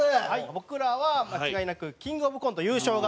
僕らは間違いなくキングオブコント優勝が。